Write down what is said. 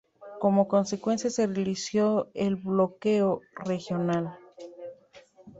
Como consecuencia, se realizó el bloqueo regional.